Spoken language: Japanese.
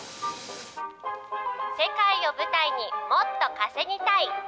世界を舞台に、もっと稼ぎたい。